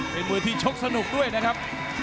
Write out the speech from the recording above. เป็นมวยที่ชกสนุกด้วยนะครับ